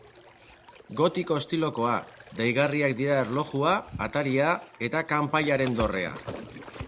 Gotiko estilokoa, deigarriak dira erlojua, ataria eta kanpaiaren dorrea.